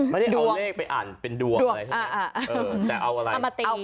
ไม่ได้เอาเลขไปอ่านเป็นดวงอะไรใช่ไหม